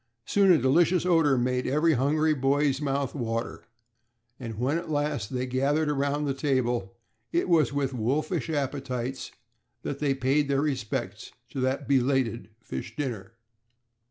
Soon a delicious odor made every hungry boy's mouth water, and when at last they gathered around the table it was with wolfish appetites that they paid their respects to that belated fish dinner.